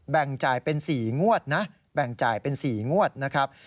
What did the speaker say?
แบ่งจ่ายเป็น๔งวดนะแบ่งจ่ายเป็น๔งวดนะครับ